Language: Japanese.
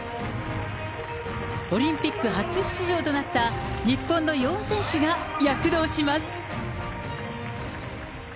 オリンピック初出場となった日本の４選手が躍動します。